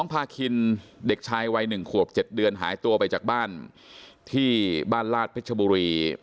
ท้ายวัย๑ขวบ๗เดือนหายตัวไปจากบ้านที่บ้านราชเพชรบุรี